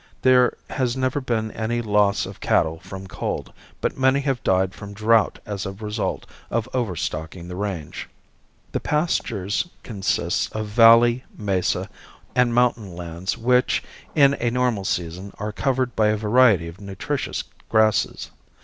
There has never been any loss of cattle from cold, but many have died from drought as a result of overstocking the range. The pastures consist of valley, mesa and mountain lands which, in a normal season, are covered by a variety of nutritious grasses.